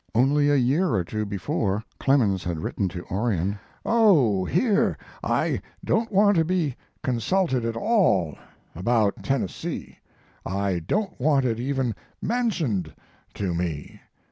Only a year or two before Clemens had written to Orion: Oh, here! I don't want to be consulted at all about Tennessee. I don't want it even mentioned to me.